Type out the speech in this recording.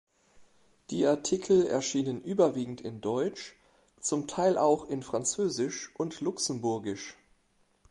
Die Artikel erscheinen überwiegend in Deutsch, zum Teil auch in Französisch und Luxemburgisch.